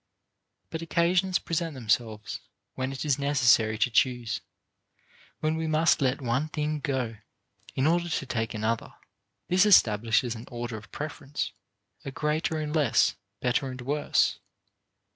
But occasions present themselves when it is necessary to choose, when we must let one thing go in order to take another. This establishes an order of preference, a greater and less, better and worse.